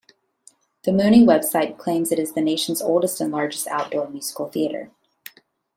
The Muny website claims it is the nation's oldest and largest outdoor musical theatre.